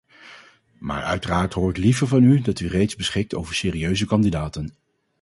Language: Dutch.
Maar uiteraard hoor ik liever van u dat u reeds beschikt over serieuze kandidaten.